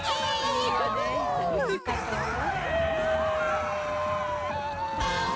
いいわねよかったわよ。